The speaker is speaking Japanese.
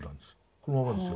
このままですよ。